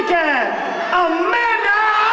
ข้อมูลของมิสยุนิเวรี่